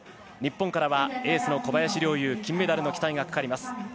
日本からはエースの小林陵侑金メダルの期待がかかります。